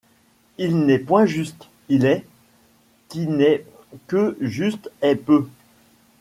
Il n’est point juste ; il est. Qui n’est que juste est peu.